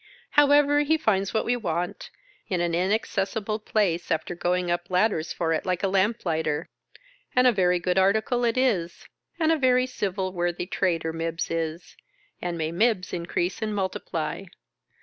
However, he finds what we want, in an inaccessible place, after going up ladders for it like a lamplighter; and a very good article it is, and a very civil worthy trader Mibbs is, and may Mibbs in crease and multiply